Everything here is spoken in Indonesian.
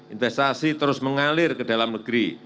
investasi terus mengalir ke dalam negeri